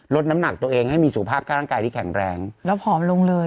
ลดน้ำหนักตัวเองให้มีสุขภาพค่าร่างกายที่แข็งแรงแล้วผอมลงเลย